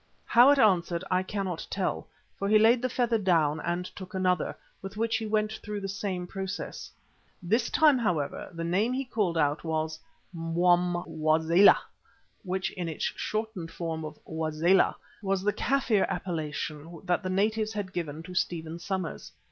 How it answered, I cannot tell, for he laid the feather down and took another, with which he went through the same process. This time, however, the name he called out was Mwamwazela, which in its shortened form of Wazela, was the Kaffir appellation that the natives had given to Stephen Somers.